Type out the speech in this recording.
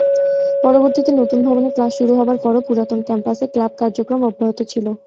পরবর্তীতে নতুন ভবনে ক্লাস শুরু হবার পরও পুরাতন ক্যাম্পাসে ক্লাব কার্যক্রম অব্যহত ছিল।